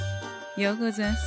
ようござんす。